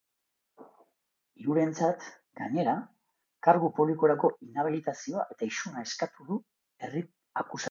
Hirurentzat, gainera, kargu publikorako inhabilitazioa eta isuna eskatu du herri-akusazioak.